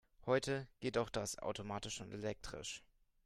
Heute geht auch das automatisch und elektrisch.